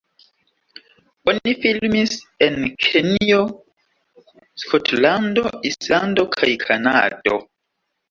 Oni filmis en Kenjo, Skotlando, Islando kaj Kanado.